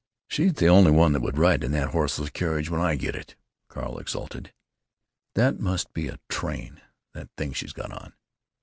"She's the one that would ride in that horseless carriage when I got it!" Carl exulted. "That must be a train, that thing she's got on."